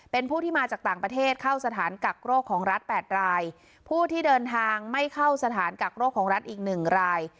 เป็นผู้ที่มาจากต่างประเทศเข้าสถานกักโรคของรัฐแปดรายผู้ที่เดินทางไม่เข้าสถานกักโรคของรัฐอีกหนึ่งราย